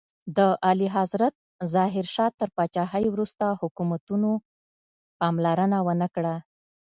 د اعلیحضرت ظاهر شاه تر پاچاهۍ وروسته حکومتونو پاملرنه ونکړه.